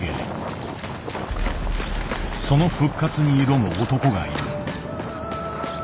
その復活に挑む男がいる。